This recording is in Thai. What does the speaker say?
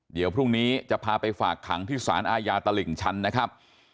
เดี๋ยวพรุ่งนี้จะพาไปฝากขังที่สารอาญาตลิ่งชันนะครับ